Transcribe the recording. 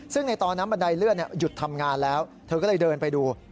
ซึ่งในตอนนั้นบันไดเลื่อนหยุดทำงานแล้วเธอก็เลยเดินไปดู